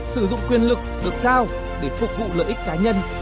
sử dụng quyền lực được giao để phục vụ lợi ích cá nhân